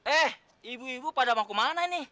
eh ibu ibu pada mau ke mana ini